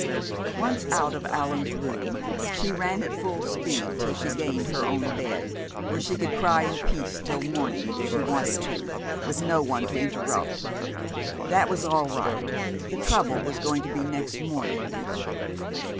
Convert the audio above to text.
Once out of Allan's room, she ran at full speed till she gained her own bed, where she could cry in peace till morning if she wanted to, with no one to interrupt. That was all right. The trouble was going to be next morning.